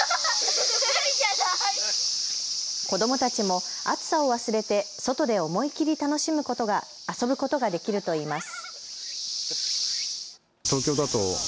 子どもたちも暑さを忘れて外で思い切り遊ぶことができるといいます。